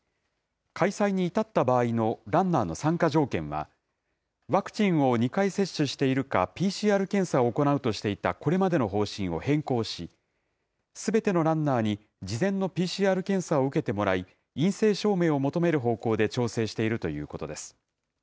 開催に至った場合のランナーの参加条件は、ワクチンを２回接種しているか、ＰＣＲ検査を行うとしていたこれまでの方針を変更し、すべてのランナーに事前のＰＣＲ検査を受けてもらい、陰性証明を求める方向で調整しているということです。